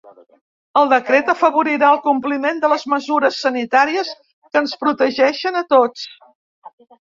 El decret afavorirà el compliment de les mesures sanitàries que ens protegeixen a tots.